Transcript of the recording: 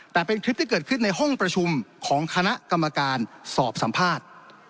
แต่เป็นคลิปที่เกิดขึ้นในห้องประชุมของคณะกรรมการสอบสัมภาษณ์